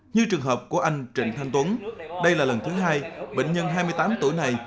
như trường hợp của anh trịnh thanh tuấn đây là lần thứ hai bệnh nhân hai mươi tám tuổi này